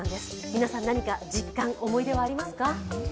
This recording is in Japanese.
皆さん、何か実感、思い出はありますか？